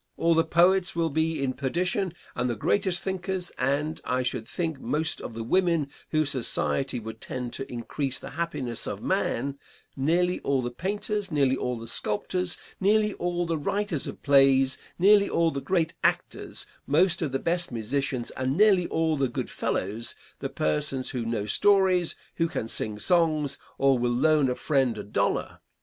All the poets will be in perdition, and the greatest thinkers, and, I should think, most of the women whose society would tend to increase the happiness of man; nearly all the painters, nearly all the sculptors, nearly all the writers of plays, nearly all the great actors, most of the best musicians, and nearly all the good fellows the persons who know stories, who can sing songs, or who will loan a friend a dollar.